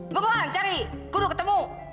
beruan cari kudu ketemu